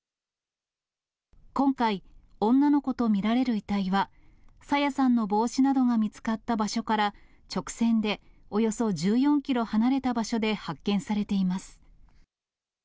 今回、女の子と見られる遺体は、朝芽さんの帽子などが見つかった場所から、直線でおよそ１４キロ離れた場所で発見されています。